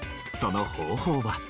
その方法は。